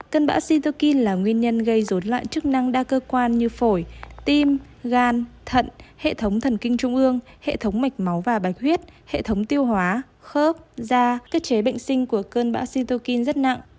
cơn bão sintokin là nguyên nhân gây rốn lại chức năng đa cơ quan như phổi tim gan thận hệ thống thần kinh trung ương hệ thống mạch máu và bạch huyết hệ thống tiêu hóa khớp da cơ chế bệnh sinh của cơn bão sintokin rất nặng